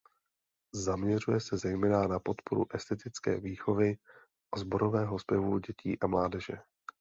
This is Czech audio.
Zaměřuje se zejména na podporu estetické výchovy a sborového zpěvu dětí a mládeže.